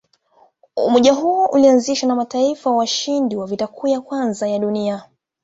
Umoja huo ulianzishwa na mataifa washindi wa Vita Kuu ya Kwanza ya Dunia.